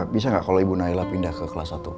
bisa gak kalo ibu nailah pindah ke kelas satu